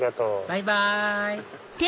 バイバイ！